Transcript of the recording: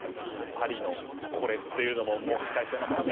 パリの金っていうのも期待していますからね。